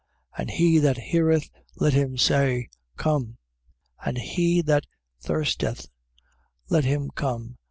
And he that heareth, let him say: Come. And he that thirsteth, let him come.